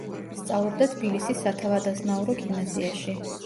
სწავლობდა თბილისის სათავადაზნაურო გიმნაზიაში.